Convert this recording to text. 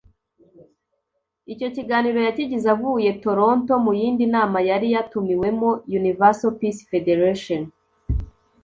Icyo kiganiro yakigize avuye Toronto mu yindi nama yari yatumiwemo “Universal Peace Federation